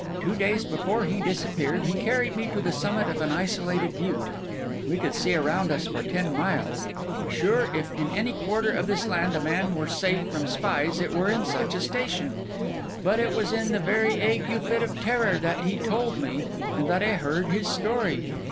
Two days before he disappeared, he carried me to the summit of an isolated butte; we could see around us for ten miles; sure, if in any quarter of this land a man were safe from spies, it were in such a station; but it was in the very ague fit of terror that he told me, and that I heard, his story.